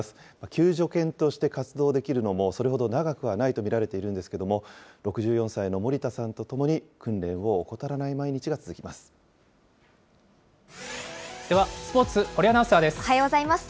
救助犬として活動できるのもそれほど長くはないと見られているんですけれども、６４歳の森田さんと共に、訓練を怠らない毎日が続ではスポーツ、堀アナウンサおはようございます。